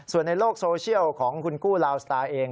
ส่วนในโลกโซเชียลของคุณกู้ลาวสตาร์เอง